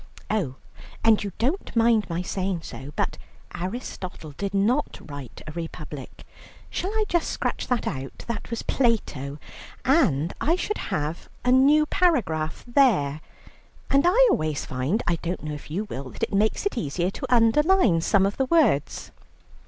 Oh, and you don't mind my saying so, but Aristotle did not write a republic. Shall I just scratch that out? That was Plato. And I should have a new paragraph there; and I always find, I don't know if you will, that it makes it easier to underline some of the words."